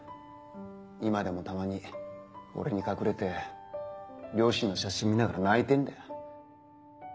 今でもたまに俺に隠れて両親の写真見ながら泣いてんだよ